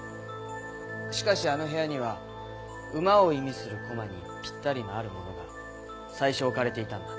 しかしあの部屋には馬を意味する駒にぴったりのあるものが最初置かれていたんだ。